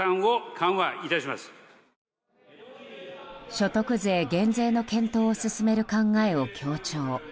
所得税減税の検討を進める考えを強調。